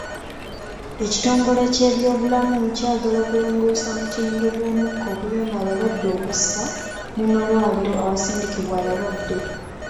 Ekitongole ky'ebyobulamu kyagala kulongoosa mutindo gw'omukka oguyamba abalwadde okussa mu malwaliro awasindikibwa abalwadde